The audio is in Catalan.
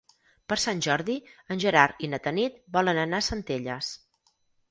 Per Sant Jordi en Gerard i na Tanit volen anar a Centelles.